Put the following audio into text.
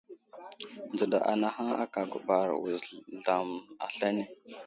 Nzəɗa anahaŋ aka gubar wuzlam aslane.